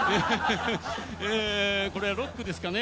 えこれはロックですかね？